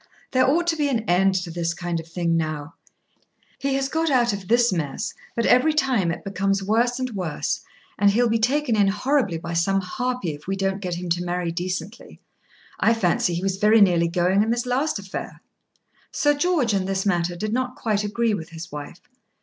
There ought to be an end to this kind of thing now. He has got out of this mess, but every time it becomes worse and worse, and he'll be taken in horribly by some harpy if we don't get him to marry decently. I fancy he was very nearly going in this last affair." Sir George, in this matter, did not quite agree with his wife.